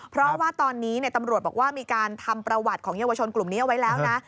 เพราะว่าตอนนี้ตำรวจบอกว่ามีการทำประวัติของเยาวชนกลุ่มนี้เอาไว้แล้วนะ